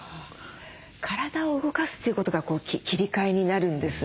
体を動かすということが切り替えになるんですね。